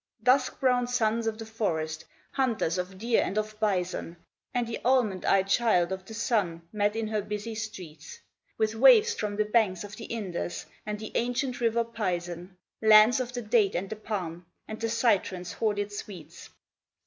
Dusk brown sons of the forest, hunters of deer and of bison, And the almond eyed child of the sun met in her busy streets, With waifs from the banks of the Indus, and the ancient river Pison Lands of the date and the palm, and the citron's hoarded sweets.